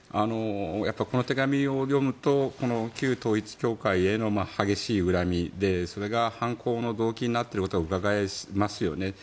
この手紙を読むとこの旧統一教会への激しい恨みで、それが犯行の動機になっていることがうかがえますよね。